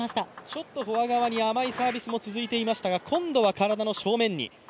ちょっとフォア側に甘いサービスも続いていましたが、今度は体の正面に。